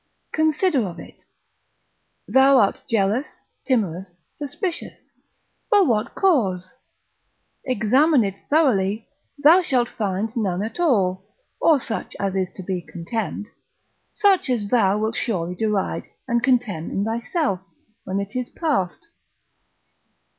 consider of it: thou art jealous, timorous, suspicious; for what cause? examine it thoroughly, thou shalt find none at all, or such as is to be contemned; such as thou wilt surely deride, and contemn in thyself, when it is past.